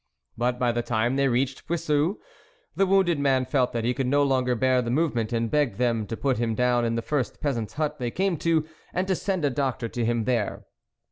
But by the time they reached Puiseux, the wounded man felt that he could no longer bear the movement, and begged them to put him down in the first peasant's hut they came to, and to send a doctor to him there.